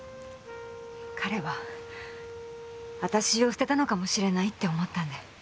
彼は私を捨てたのかもしれないって思ったんで。